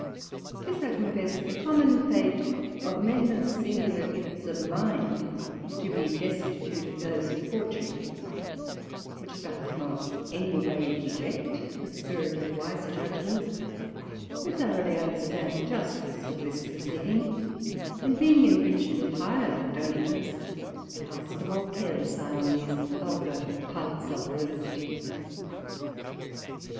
'Tis, I confess, the common fate of men of singular gifts of mind to be destitute of those of Fortune, which doth not any way deject the Spirit of wiser judgements, who throughly understand the justice of this proceeding; and being inrich'd with higher donatives, cast a more careless eye on these vulgar parts of felicity.